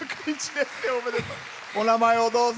お名前をどうぞ。